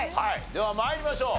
では参りましょう。